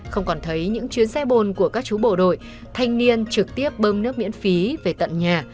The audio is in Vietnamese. không còn thấy những chuyến xe bồn của các chú bộ đội thanh niên trực tiếp bơm nước miễn phí về tận nhà